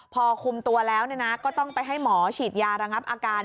พอคุมตัวแล้วก็ต้องไปให้หมอฉีดยาระงับอาการ